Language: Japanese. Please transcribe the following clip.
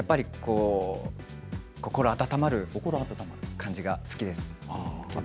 心温まる感じが好きです。